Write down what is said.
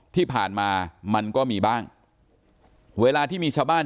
ที่ผ่านมามันก็มีบ้างเวลาที่มีชาวบ้าน